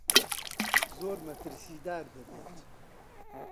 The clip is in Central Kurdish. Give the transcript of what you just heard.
زۆر مەترسیدار دەبێت.